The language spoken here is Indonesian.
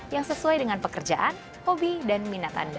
yang sesuai dengan pekerjaan hobi dan minat anda